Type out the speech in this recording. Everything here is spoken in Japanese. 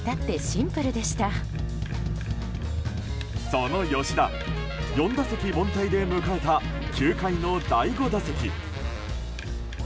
その吉田、４打席凡退で迎えた９回の第５打席。